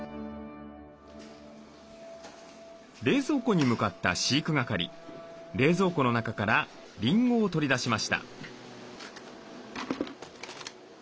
冷蔵庫に向かった飼育係冷蔵庫の中からリンゴを取り出しました。